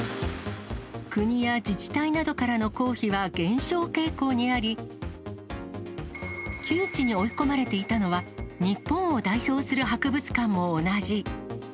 国や自治体などからの公費は減少傾向にあり、窮地に追い込まれていたのは、日本を代表する博物館も同じ。